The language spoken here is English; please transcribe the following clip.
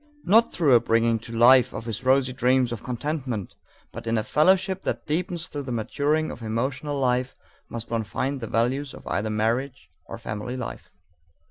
Not through a bringing to life of his rosy dreams of contentment, but in a fellowship that deepens through the maturing of emotional life, must one find the values of either marriage or family life.